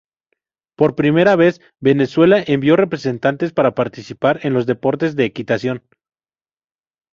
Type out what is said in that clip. Por primera vez, Venezuela envió representantes para participar en los deportes de equitación.